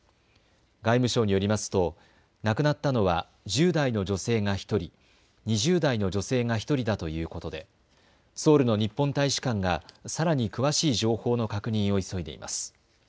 外務省によりますと亡くなったのは１０代の女性が１人、２０代の女性が１人だということでソウルの日本大使館がさらに詳しい情報の確認を急いでいます。